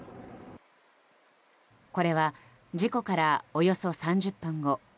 これは事故からおよそ３０分後。